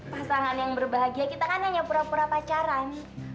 pasangan yang berbahagia kita kan hanya pura pura pacaran